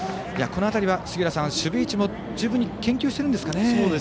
この辺りは守備位置も十分に研究してるんですかね。